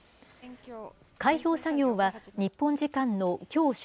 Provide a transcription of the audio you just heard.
開票作業は日本時間のきょう正